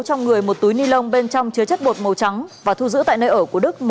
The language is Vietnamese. trong người một túi ni lông bên trong chứa chất bột màu trắng và thu giữ tại nơi ở của đức